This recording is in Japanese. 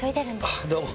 ああどうも。